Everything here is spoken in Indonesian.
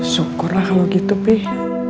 syukurlah kalau gitu pih